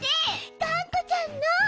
がんこちゃんの。